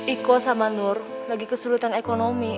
iko sama nur lagi kesulitan ekonomi